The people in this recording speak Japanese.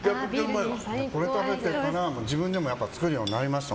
これ食べてから自分でも作るようになりました